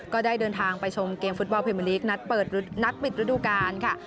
ก็ได้เดินทางไปชมเกมฟุตบอลเพมอร์ลีกนัดปิดฤดูการค่ะ